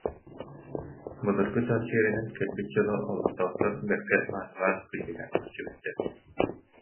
Былыргы дьон сиэринэн кэлбит дьону олохтоохтор бэркэ маанылаан, күндүлээн көрсүбүттэр